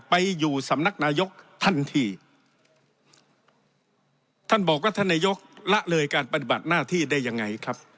ไปอยู่สำนักนายกทันทีท่านบอกว่าท่านนายกละเลยการปฏิบัติหน้าที่ได้ยังไงครับ